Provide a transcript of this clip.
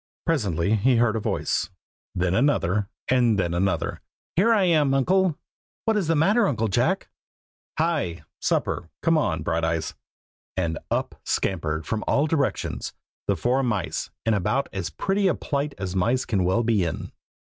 Presently he heard a voice, then another, and then another. "Here I am, Uncle!" "What is the matter, Uncle Jack?" "Hi! supper! come on, Brighteyes!" and up scampered from all directions, the four mice in about as pretty a plight as mice can well be in.